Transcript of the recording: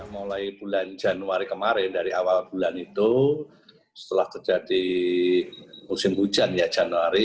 mulai bulan januari kemarin dari awal bulan itu setelah terjadi musim hujan ya januari